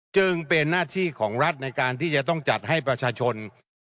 จึงเป็นหน้าที่ของรัฐในการที่จะต้องจัดให้ประชาชน